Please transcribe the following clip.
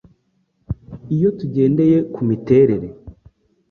Iyo tugendeye ku miterere,